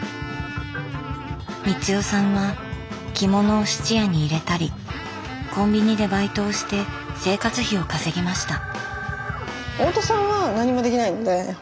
光代さんは着物を質屋に入れたりコンビニでバイトをして生活費を稼ぎました。